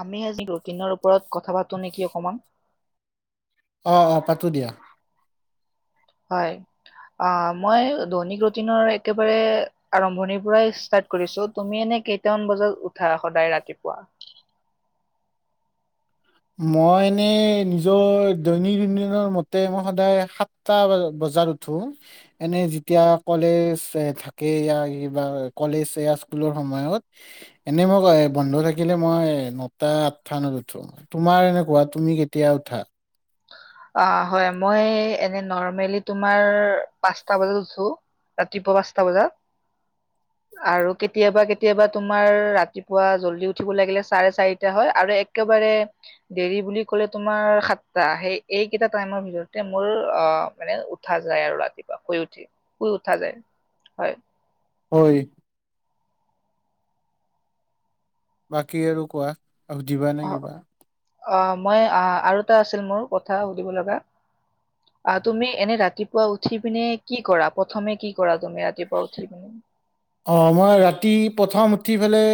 আমি আজি ৰুটিনৰ ওপৰত কথা পাতোঁ নেকি অকমান। অ' অ' পাতো দিয়া। হয়, আ মই দৈনিক ৰুটিনৰ একেবাৰে আৰম্ভণিৰ পৰাই ষ্টাৰ্ট কৰিছোঁ, তুমি এনে কেইটামান বজাত উঠা সদায় ৰাতিপুৱা? মই এনে নিজৰ দৈনন্দিনৰ মতে মই সদায় সাতটা বজাত উঠো, এনে যেতিয়া কলেজ থাকে বা কিবা কলেজ স্কুলৰ সময়ত এনে মই বন্ধ থাকিলে মই নটা আঠটা উঠো। তোমাৰ এনেকুৱা, তুমি কেতিয়া উঠা? অ'হয়, মই এনে নৰ্মেলি তোমাৰ পাঁচটা বজাত উঠো, ৰাতিপুৱা পাঁচটা বজাত। আৰু কেতিয়াবা কেতিয়াবা তোমাৰ ৰাতিপুৱা জল্দি উঠিব লাগিলে চাৰে চাৰিটা হয়, আৰু একেবাৰে দেৰি বুলি কলে তোমাৰ সাতটা, সেই এইকেইটা টাইমৰ ভিতৰতে মোৰ অ' মানে উঠা যায় আৰু ৰাতিপুৱা শুই উঠি শুই উঠা যায়। হয়। হয়। বাকী আৰু কোৱা [unintelligible] ‌‌ নে কিবা? অ' মই অ' আৰু টা আছিল মোৰ কথা, সুধিব লগা। অ' তুমি এনে ৰাতিপুৱা উঠি পিনে কি কৰা? প্ৰথমে কি কৰা? তুমি ৰাতিপুৱা উঠি পিনে - অ মই ৰাতি প্ৰথম উঠি পেলাই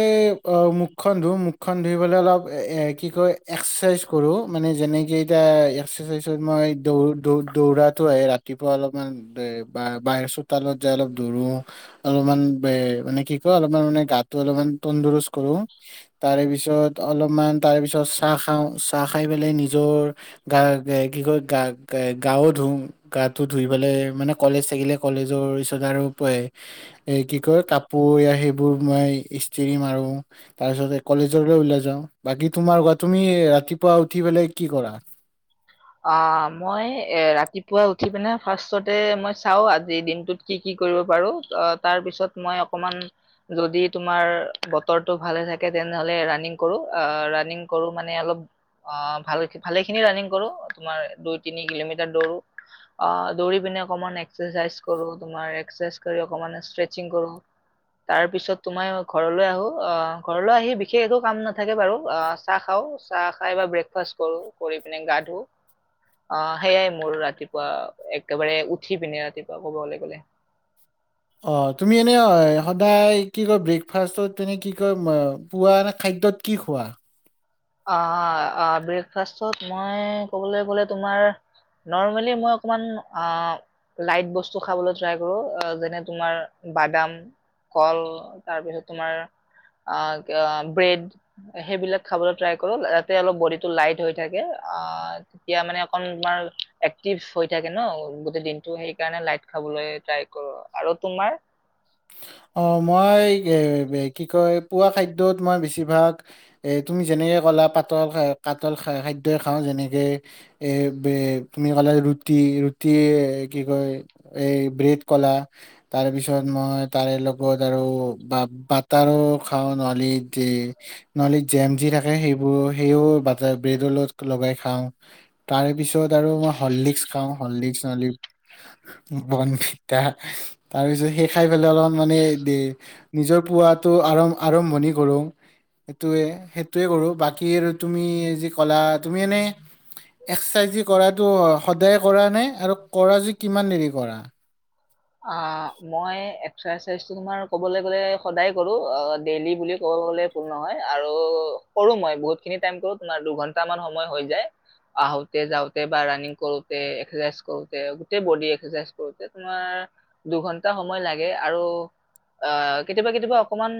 অ মুখখন ধুম, মুখখন ধুই পেলাই অলপ কি কয় এক্সাৰচাইজ কৰোঁ। মানে যেনেকে এতিয়া এক্সাৰচাইজত মই দৌৰো দৌ দৌৰাটো আহে ৰাতিপুৱা অলপমান বাহ চোতালত যাই অলপ দৌৰোঁ। অলপমান- বে মানে কি কয়, অলপমান মানে গাটো অলপমান তন্দুৰস্ত কৰোঁ। তাৰে পিছত অলপমান তাৰ পিছত চাহ খাওঁ, চাহ খাই পেলাই নিজৰ গা কি কয় গা গাৱো ধুওঁ, গাটো ধুই পেলাই মানে কলেজ থাকিলে কলেজৰ পিছত আৰু এ কি কয়, কাপোৰ সেইবোৰ মই ইস্ত্ৰি মাৰো। তাৰছতে কলেজলৈ ওলাই যাওঁ। বাকী তোমাৰ কোৱা, তুমি ৰাতিপুৱা উঠি পেলাই কি কৰা? অ মই এ ৰাতিপুৱা উঠি পিনে ফাৰ্ষ্টতে মই চাও আজি দিনটোত কি কি কৰিব পাৰো, তাৰপিছত মই অকমান যদি তোমাৰ বতৰটো ভালে থাকে তেনেহলে ৰানিং কৰো। আহ ৰানিং কৰো মানে অলপ ভাল ভালেখিনি ৰানিং- কৰোঁ। তোমাৰ দুই তিনি কিলোমিটাৰ দৌৰো। অ দৌৰি পিনে অকমান এক্সাৰচাইজ কৰো, তোমাৰ এক্সাৰচাইজ কৰি তোমাৰ ষ্টেচিং কৰো, তাৰ পিছত তোমাৰ ঘৰলৈ আহো, আ ঘৰলৈ আহি বিশেষ একো কাম নাথাকে বাৰু, আ চাহ খাওঁ, চাহ খাই ব্ৰেকফাষ্ট কৰো, কৰি পিনে গা ধু- ধুও। আহ সেইয়াই মোৰ ৰাতিপুৱা একেবাৰে উঠি পিনে ৰাতিপুৱা কবলে গলে। অহ, তুমি, অই, এনে সদায় কি কয় ব্ৰেকফাষ্টত তেনে কি কয়, ম, পোৱাৰ খাদ্যত কি খোৱা? আ, আ ব্ৰেকফাষ্টত মই কবলৈ গলে তোমাৰ, নৰ্মেলি মই অকমান আ লাইট বস্তু খাবলৈ ট্ৰাই কৰো, যেনে তোমাৰ বাদাম, কল, তাৰপিছত তোমাৰ আ ব্ৰেড সেইবিলাক খাবলৈ ট্ৰাই কৰো। ত অলপ বডিটো লাইত হৈ থাকে। আহ তেতিয়া মানে অকন তোমাৰ একটিভ হৈ থাকে ন গোটেই দিনটো, সেইকাৰনে লাইট খাবলৈ টাই কৰো। আৰু তোমাৰ? অহ, মই কি কয় পোৱা খাদ্যত মই বেছিভাগ এ তুমি যেনেকে ক'লা পাতল পাতল খাদ্যই খাওঁ যেনেকে এ, বে, তুমি ক'লা ৰুটি-ৰুটি কি কয় এই ব্ৰেড ক'লা, তাৰ পিছত মই তাৰে লগত আৰু বা-বাটাৰো খাওঁ, নহলি, যে, নহলি জেম যি থাকে সেইবোৰ সেইও বাটাৰ ব্ৰেডৰ লগ লগাই খাওঁ। তাৰে পিছত আৰু মই হললিক্স খাওঁ, হলিক্স ন বৰ্ণভিতা তাৰ পিছত খাই পেলাই অলপ মানে দে, নিজৰ পোৱাতো আৰম্ভণি কৰোঁ, সেইটোৱে সেইটোৱে কৰোঁ। বাকী আৰু তুমি যি ক'লা তুমি এনে এক্সাৰচাইজ যি কৰাটো সদায় কৰা নে আৰু কৰা য কিমান দেৰি কৰা? আ মই এক্সাৰচাইজ তোমাৰ কবলৈ গলে সদায় কৰো, অ ডেইলি বুলি ক'বলৈ গলে ভূল নহয়। আৰু কৰো মই বহুতখিনি টাইম কৰো তোমাৰ দুঘন্টা মান সময় হৈ যায়। আহোতে যাওঁতে বা ৰানিং কৰোতে, এক্সাৰচাইজ কৰোতে, গোটেই বডি এক্সাৰচাইজ কৰোতে তোমাৰ দুঘন্টা সময় লাগে। আৰু আহ কেতিয়াবা কেতিয়াবা অকমান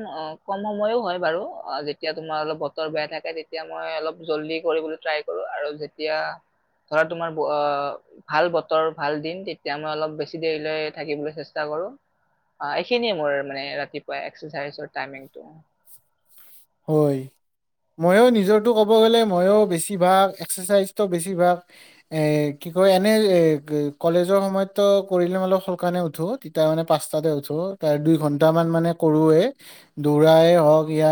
কম সময়ো হয় বাৰু, যেতিয়া তোমাৰ অলপ বতৰ বেয়া থাকে তেতিয়া মই অলপ জলদি কৰিবলৈ ট্ৰাই কৰো। আৰু যেতিয়া ধৰা তোমাৰ ভাল বতৰ ভাল দিন তেতিয়া মই অলপ বেছি দেৰিলৈ থাকিবলৈ চেষ্টা কৰো। আ এইখিনিয়ে মোৰ মানে ৰাতিপুৱা এক্সাৰচাইজৰ টাইমিংটো। হয়। ময়ো নিজৰটো ক'ব গ'লে ময়ো বেছিভাগ এক্সাৰচাইজটো বেছিভাগ এহ, কি কয় এনে এহ, গে, কলেজৰ সময়ততো কৰিলে অলপ সলকানে উঠোঁ। তিয়া মানে পাঁচটাতে উঠো, তাৰ দুই ঘন্টামান মানে কৰোঁৱেই, দৌৰায় হওক য়া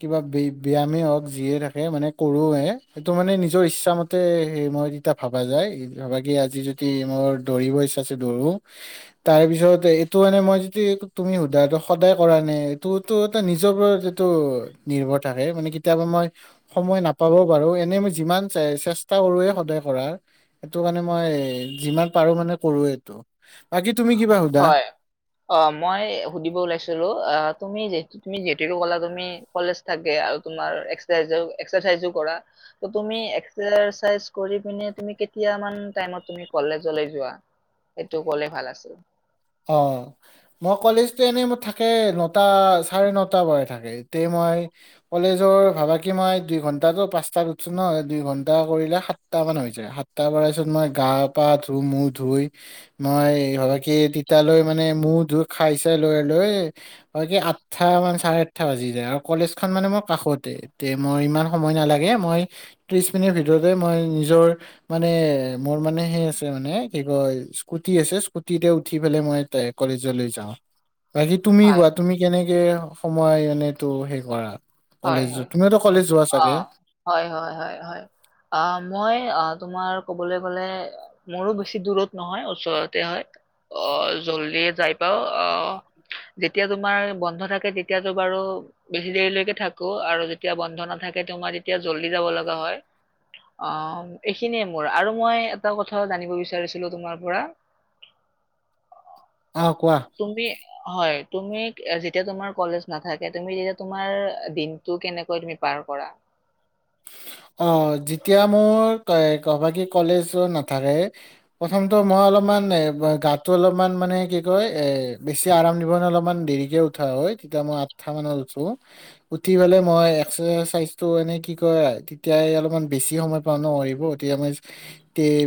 কিবা বি-ব্যামে হওঁক, যিয়ে থাকে মানে কৰোৱে। সটো মানে নিজৰ ইচ্ছা মতে সে মই তেতিয়া ভবা যায় ভাবা কি আজি যদি মোৰ দৌৰিব ইচ্ছা আছে দৌৰোঁ। তাৰ পিছত এইটো মানে মই যদি তুমি সোধাটো সদায় কৰা নাই? এইটোতো এটা নিজৰ [unintelligible] টো নিৰ্ভৰ থাকে, মানে কেতিয়াবা মই সময় নাপাবও পাৰো। এনে মই যিমান চেষ্টা কৰোৱে সদায় কৰাৰ, এইটো কাৰণে মই যিমান পাৰো মানে কৰোৱেই এইটো। বাকী তুমি কিবা সোধা হয়। অ মই সুধিব ওলাইছিলো অ তুমি যে তুমি যে যিটো ক'লা তুমি কলেজ থাকে, আৰু তোমাৰ এক্সট্ৰা জব, এক্সাৰচাইজ ও কৰা, ত তুমি এক্সাৰচাইজ কৰি পিনে তুমি কেতিয়া মান টাইমত তুমি কলেজলে যোৱা? সেইটো কলে ভাল আছিল। অ মই কলেজটো এনেই মোৰ থাকে নটা চাৰে নটা পৰাই থাকে এতি মই কলেজৰ ভাবাকি মই দুইঘন্টাতো পাঁচটাত উঠছো ন দুইঘন্টা কৰিলে সাতটা মান হৈ যায় সাতটা পৰা পিছত মই গা পা ধু মুখ ধুই মই ভাবা কি এতালৈ মানে মো ধুই খাই চাই লৈ লৈ হয় কি আঠটা মান চাৰে আঠটা বাজি যায় আৰু কলেজ খন মানে মোৰ কাষতে এ মই ইমান সময় নালাগে মই ত্ৰিশ মিনিট ভিতৰতে মই নিজৰ মানে মোৰ মানে সেই আছে মানে কি কয় স্কুটি আছে স্কুটিতে উঠি পালাই মই কলেজলৈ যাওঁ বাকী তুমি হয় কোৱা তুমি কেনে সময় এনে তো সেই কৰা হয় কলেজ হয় তুমিওতো কলেজ যোৱা অ চাগে হয় হয় হয় হয় আ মই আ তোমাৰ কবলৈ গলে মোৰো বেছি দূৰত নহয় ওচৰতে হয় অ জল্দিয়ে যাই পাও অ যেতিয়া তোমাৰ বন্ধ থাকে তেতিয়াাতো বাৰু বেছি দেৰিলৈকে থাক আৰু যেতিয়া বন্ধ নাথাকে তোমাৰ তেতিয়া জল্দি যাব লগা হয় আহ এইখিনিয়ে মোৰ আৰু মই এটা কথা জানিব বিচাৰিছিলো তোমাৰ পৰা আহ কোৱা তুমি হয় তুমি যেতিয়া তোমাৰ কলেজ নাথাকে তুমি যেতিয়া তোমাৰ দিনতটো কেনেকৈ তুমি পাৰ কৰা অ যেতিয়া মোৰ কবাকি কলেজত নাথাকে প্ৰথমটো মই অলপমান গাটো অলপমান মানে কি কয় এ বেছি আৰাম দিব অলপমান দেৰিকে উঠা হয় তেতিয়া মই আঠটা মানত উঠো, উঠি পেলাই মই এক্সাইজ টো এনে কি কয় তেতিয়াই অলপমান বেছি সময় পাওঁ ন সেইবোৰ [unintelligible]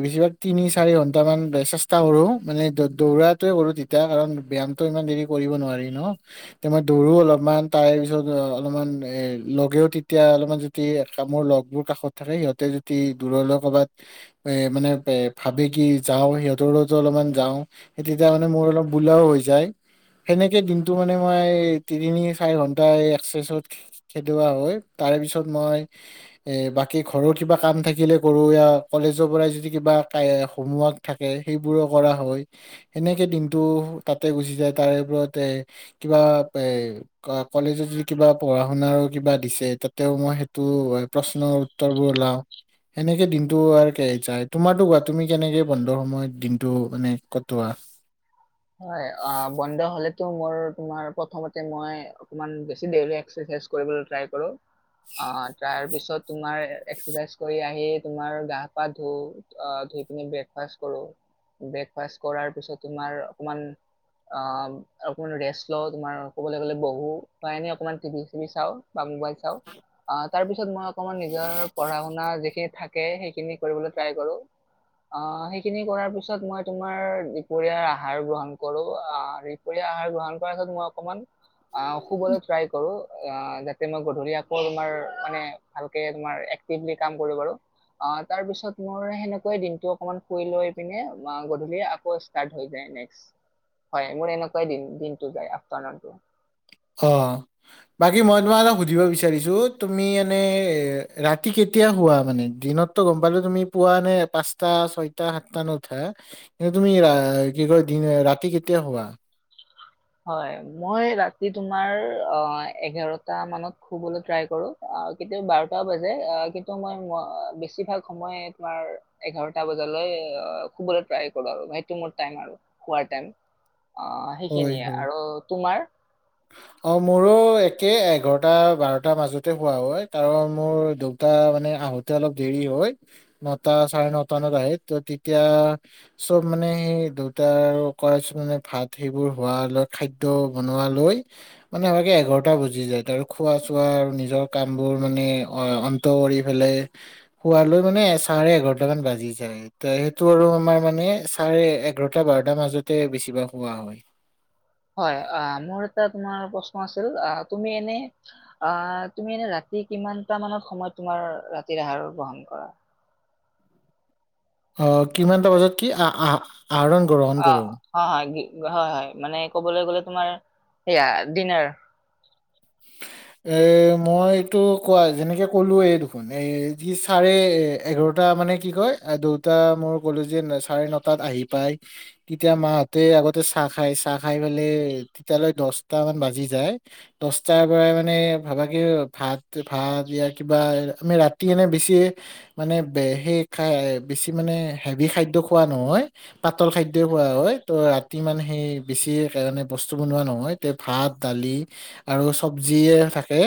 বেছিভাগ তিনি চাৰি ঘন্টামান চেষ্টা কৰো মানে দৌৰাটোৱে কৰো তেতিয়া কাৰণ ব্যয়ামটো ইমান দেৰি কৰিব নোৱাৰি ন তেতিয়া মই দৌৰো অলপমান তাৰ পিছত অলপমান এ লগেও তেতিয়া অলপমান যদি একামোৰ লগ মোৰ কাষত থাকে সিহতে যদি দূৰলৈ কৰবাত এ মানে ভাবে কি যাওঁ সিহঁতৰ লগতো অলপমান যাওঁ স তেতিয়া মানে মোৰ অলপ বোলাও হৈ যায় সেনেকে দিনটো মানে মই তিনি চাৰি ঘন্টা এক্চাইজ খেলোৱা হয় তাৰে পিছত মই এ বাকী ঘৰৰ কিবা কাম থাকিলে কৰো কলেজৰ পৰাই যদি কিবা হোমৱৰ্ক থাকে সেইবোৰো কৰা হয় সেনেকে দিনটো তাতে গুচি যায় তাৰে ওপৰত এ কিবা এ কলেজত যদি কিবা পঢ়া শুনাৰো কিবা দিছে তাতেও মই সেইটো প্ৰশ্নৰ উত্তৰবোৰ ওলাও সেনেকে দিনটো যাই তোমাৰো কোৱা তুমি কেনেকে বন্ধৰ সময়ত দিনটো মানে কটোৱা হয় অ বন্ধ হলেতো মোৰ তোমাৰ প্ৰথমতে মই অকমান বেছি দেৰিলৈকে এক্সাইজ কৰিবলে ট্ৰাই কৰো অ তাৰ পিছত তোমাৰ এক্সাৰচাইজ কৰি আহি তুমাৰ গা পা ধুও আহ ধুই পিন ব্ৰেকফাষ্ট কৰো ব্ৰেকফাষ্ট কৰাৰ পিছত তোমাৰ অকমান আহ অকমান ৰেষ্ট লওঁ তোমাৰ কবলৈ গলে বহু বা এনে অকমান টিভি চি চাওঁ বা মোবাইল চাওঁ আহ তাৰ পিছত মই অকমান নিজৰ পঢ়া শুনা যিখিনি থাকে সেইখিনি কৰিবলৈ ট্ৰাই কৰো আহ সেইখিনি কৰাৰ পিছত মই তোমাৰ দুপৰীয়া আহাৰ গ্ৰহণ কৰো আহ দুপৰীয়া আহাৰ গ্ৰহণ কৰাৰ পাছত মই অকমান অ শুবলৈ ট্ৰাই কৰো তাতে মই গধুলী আকৌ তোমাৰ মানে ভালকে তোমাৰ একটিভলি কাম কৰো আৰু তাৰ পিছত মোৰ দিনটো শুই লৈ পিনে গধুলী আকৌ ষ্টাৰ্ট হৈ যায় দে নেক্স হয় মোৰ এনেকুৱাই দিনটো যায় আফটাৰ নোনটো অ বাকী মই তোমাক এটা সুধিব বিচাৰিছো তুমি এনে ৰাতি কেতিয়া শুৱা মানে দিনতো গম পালো তুমি পুৱা নে পাঁচটা ছয় সাতটা ন উঠা কিন্তু তুমি কি কয় ৰাতি কেতিয়া শুৱা হয় মই ৰাতি তোমাৰ হয় খিনিয়ে হয় আৰু তোমাৰ অ মোৰো একে এঘাৰটা বাৰটাৰ মাজতে শুৱা হয় কাৰণ মোৰ দেউতা মানে আহোতে অলপ দেৰি হয় নটা চাৰে নট মানত আহে ত তেতিয়া চব মানে সেই দেউতাৰ কৰাইচোন মানে ভাত সেইবোৰ হোৱা লৈ খাদ্য বনোৱ লৈ মানে আমে এঘাৰটা বজি যায় ত আৰু খোৱা চোৱা আৰু নিজৰ কাম বোৰ মানে অ অন্ত কৰি পেলাই হুৱ লৈ মানে চাৰে এঘাৰটা মান বাজি যায় ত সেইটো আৰু আমাৰ মানে চাৰে এঘাৰটা বাৰটাাৰ মাজতে বেছিভা খোৱা হয় হয় অ মোৰ এটা তোমাৰ প্ৰশ্ন আছিল আ তুমি এনে আ তুমি এনে ৰাতি কিমানটা মানত সময় তোমাৰ ৰাতিৰ আহাৰ গ্ৰহন কৰা অ কিমানটা বাজত কি আহ আহা আহৰণ গ্ৰহণ অ, কৰোঁ হয়, হয়, গি- হয় হয় মানে ক'বলৈ গ'লে তোমাৰ সেয়া ডিনাৰ এ মই এইটো কোৱা যেনেকে কলোৱে দেখোন এ যি চাৰে এ এঘাৰটা মানে কি কয় দুয়টা মই কলো যে চাৰে নটাত আহি পায় তেতিয়া মাহঁতে আগতে চাহ খাই চাহ খাই পেলাই তেতিালৈ দহটা মান বাজি যায় দ তাৰ পৰা মানে ভাবা কি ভাত ভাত ইয়াৰ কিবা আমি ৰাতি এনে বেছি মানে সেই খাই বেছি মানে হেভি খাদ্য খোৱা নহয় পাতল খাদ্যই খোৱা হয় ত ৰাতি মানে সেই বেছি মানে বস্তু বনোৱা নহয় এ ভাত দালি আৰু চব্জিয়ে থাকে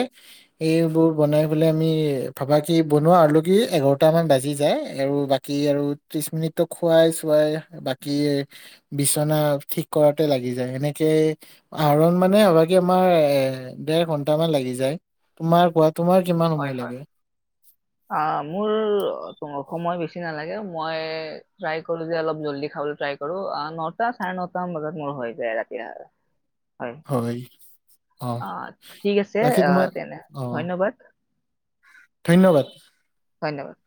এইবোৰ বনাই পেলাই আমি ভাবাাকি বনোৱা আল কি এঘাৰটামান বাজি যায় আৰু বাকী আৰু ত্ৰিছ মিনিটটো খুৱাই চোৱাই বাকী বিচনা ঠিক কৰাতে লাগি যায় সেনেকৈ আহৰণ মানে ভাবাাকি আমাৰ দেৰ ঘন্টা মান লাগি যায় তুমাৰ কাত হয় হয় অ মোৰ তম সময় বেছি নালাগে মই ট্ৰাই কৰলো যে অলপ জল্দি খাবলৈ ট্ৰাই কৰো নটা চাৰে নটা মান বজাত মোৰ হৈ যায় ৰাতি হয় অ ঠিক আছে বাকী আহ তোমাৰ তেনে অ ধন্যবাদ ধন্যবাদ। ধন্যবাদ।